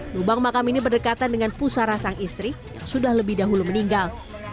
lubang makam ini berdekatan dengan pusara sang istri yang sudah lebih dahulu meninggal